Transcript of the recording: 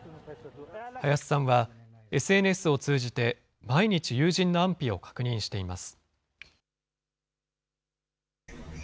林さんは、ＳＮＳを通じて毎日友人の安否を確認しています。